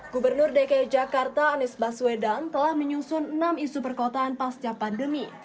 gubernur dki jakarta anies baswedan telah menyusun enam isu perkotaan pasca pandemi